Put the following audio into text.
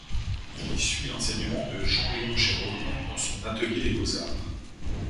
Il y suit l'enseignement de Jean-Léon Gérôme dans son atelier des Beaux-arts.